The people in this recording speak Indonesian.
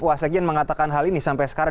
wasekjen mengatakan hal ini sampai sekarang